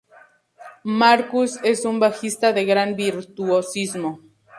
Markus es un bajista de gran virtuosismo.